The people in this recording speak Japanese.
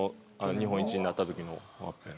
日本一なった時のワッペン。